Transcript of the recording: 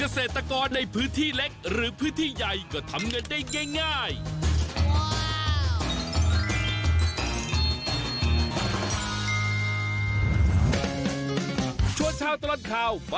สวัสดีครับ